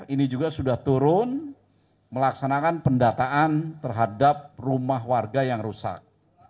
ini juga sudah turun melaksanakan pendataan terhadap rumah warga yang rusak